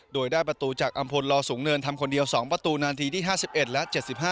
โดยได้ประตูจากอำพลลอสูงเนินทำคนเดียว๒ประตูนาทีที่๕๑และ๗๕